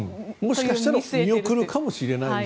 もしかしたら見送るかもしれない。